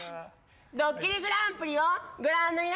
『ドッキリＧＰ』をご覧の皆さん。